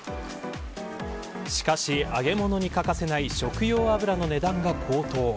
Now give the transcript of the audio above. しかし、揚げ物に欠かせない食用油の値段が高騰。